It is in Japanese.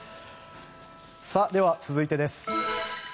では、続いてです。